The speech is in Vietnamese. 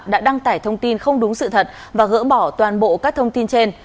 đã đăng tải thông tin không đúng sự thật và gỡ bỏ toàn bộ các thông tin trên